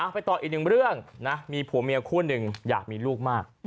ไปต่ออีกหนึ่งเรื่องนะมีผัวเมียคู่หนึ่งอยากมีลูกมาก